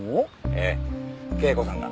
ええ圭子さんが。